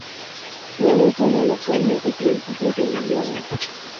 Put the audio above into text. Florece en el otoño y principios del invierno.